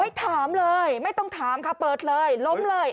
ไม่ถามเลยไม่ต้องถามค่ะเปิดเลยล้มเลย